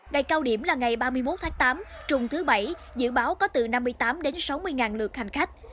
ngày cao điểm là ngày ba mươi một tháng tám trùng thứ bảy dự báo có từ năm mươi tám đến sáu mươi lượt hành khách